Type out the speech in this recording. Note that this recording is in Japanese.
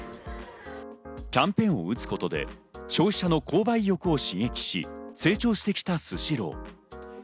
キャンペーンを打つことで消費者の購買意欲を刺激し、成長してきたスシロー。